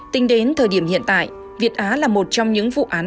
tính đến thời điểm hiện tại việt á là một trong những vụ án